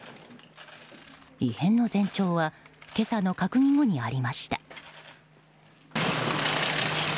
異変の前兆は今朝の閣議後にありました。